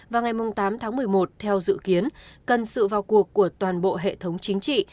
và ngày tám tháng một mươi một theo dự kiến cần sự vào cuộc của toàn bộ hệ thống chính trị